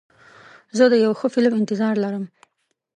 زه د یو ښه فلم انتظار لرم.